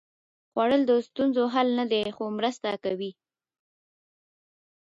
خوړل د ستونزو حل نه دی، خو مرسته کوي